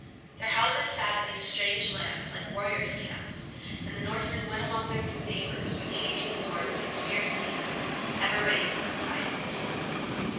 Their houses sat in these strange lands like warriors' camps, and the Norsemen went among their new neighbors with hanging swords and spears in hand, ever ready for fight.